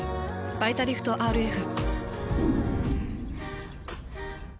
「バイタリフトＲＦ」。